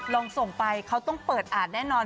ลองส่งไปเขาต้องเปิดอ่านแน่นอน